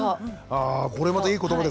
あこれまたいいことばですね。